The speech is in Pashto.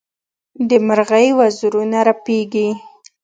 د مرغۍ وزرونه رپېږي.